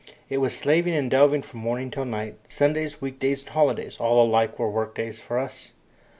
It was slaving and delving from morning till night Sundays, week days, and holidays, all alike were work days to us.